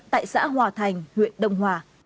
tại xã hòa thành huyện đông hòa